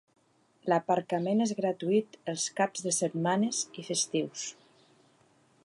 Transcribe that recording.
L'aparcament és gratuït els caps de setmanes i festius.